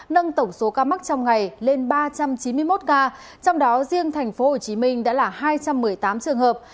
nâng tổng số ca mắc trong ngày lên ba trăm chín mươi một ca trong đó riêng tp hcm đã là hai trăm một mươi tám trường hợp